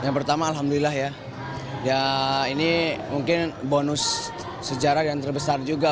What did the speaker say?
yang pertama alhamdulillah ya ini mungkin bonus sejarah dan terbesar juga